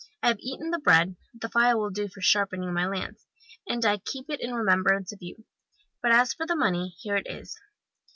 I've eaten the bread; the file will do for sharpening my lance, and I keep it in remembrance of you. But as for the money, here it is.